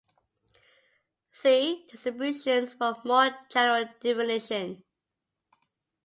See distributions for a more general definition.